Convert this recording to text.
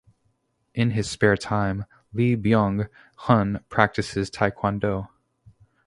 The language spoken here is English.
In his spare time, Lee Byung-hun practices taekwondo.